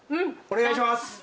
お願いします